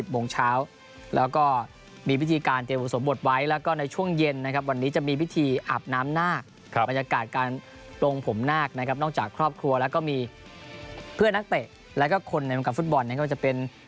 โมงเช้าแล้วก็มีพิธีการเตรียมอุสมบทไว้แล้วก็ในช่วงเย็นนะครับวันนี้จะมีพิธีอาบน้ำนาคบรรยากาศการปลงผมนาคนะครับนอกจากครอบครัวแล้วก็มีเพื่อนนักเตะแล้วก็คนในวงการฟุตบอลเนี่ยก็จะเป็น